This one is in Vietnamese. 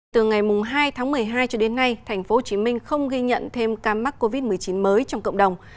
từ ngày hai tháng một mươi hai cho đến nay tp hcm không ghi nhận thêm ca mắc covid một mươi chín mới trong cộng đồng